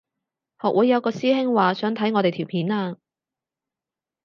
學會有個師兄話想睇我哋條片啊